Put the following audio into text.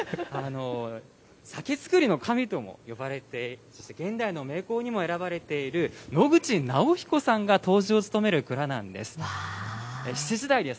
酒造りの神とも呼ばれて、現代の名工にも選ばれている農口尚彦さんが杜氏を務める蔵なんです。